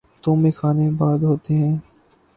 تو میخانے آباد ہوتے ہیں۔